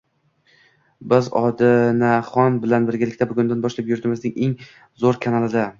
biz Odinaxon bilan birgalikda bugundan boshlab yurtimizning eng zo’r kanalida